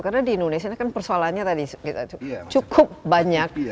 karena di indonesia ini kan persoalannya tadi cukup banyak